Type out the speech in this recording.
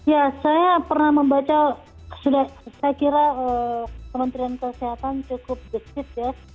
ya saya pernah membaca sudah saya kira kementerian kesehatan cukup gesit ya